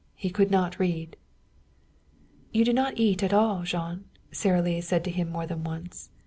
He could not read. "You do not eat at all, Jean," Sara Lee said to him more than once.